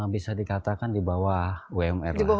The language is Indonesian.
bisa dikatakan di bawah umr lah